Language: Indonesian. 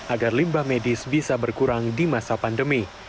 agar limbah medis bisa berkurang di masa pandemi